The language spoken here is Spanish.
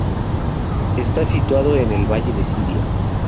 Está situado en el valle de Siria.